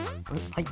はい。